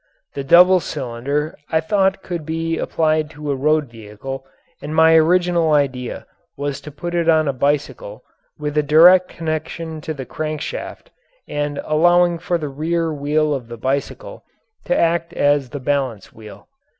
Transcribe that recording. The double cylinder I thought could be applied to a road vehicle and my original idea was to put it on a bicycle with a direct connection to the crankshaft and allowing for the rear wheel of the bicycle to act as the balance wheel.